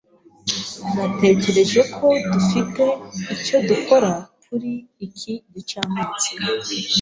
Natekereje ko dufite icyo dukora kuri iki gicamunsi.